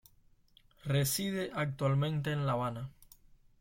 Reside actualmente en La Habana.